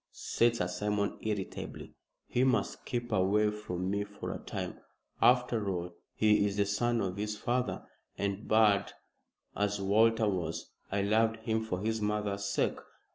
said Sir Simon, irritably. "He must keep away from me for a time. After all, he is the son of his father, and, bad as Walter was, I loved him for his mother's sake.